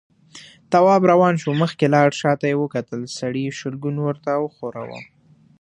تواب روان شو، مخکې لاړ، شاته يې وکتل، سړي شلګون ورته وښوراوه.